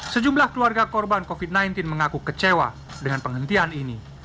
sejumlah keluarga korban covid sembilan belas mengaku kecewa dengan penghentian ini